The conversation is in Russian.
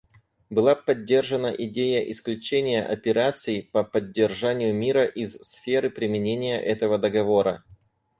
Была поддержана идея исключения операций по поддержанию мира из сферы применения этого договора.